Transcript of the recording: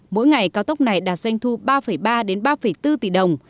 mỗi ngày cao tốc này đạt doanh thu ba ba bốn tỷ đồng